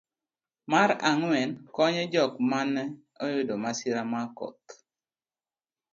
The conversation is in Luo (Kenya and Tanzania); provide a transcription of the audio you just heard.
mar ang'wen, konyo jok mane oyudo masira mar koth